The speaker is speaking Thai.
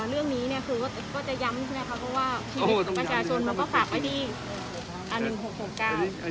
อันนี้จะไปตรวจสอบอะไรอย่างไรนะคะ